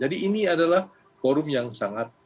jadi ini adalah forum yang sangat penting ya